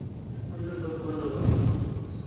اَن با ڪوندو هوئي۔